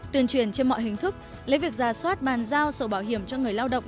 tuyên truyền trên mọi hình thức lấy việc giả soát bàn giao sổ bảo hiểm cho người lao động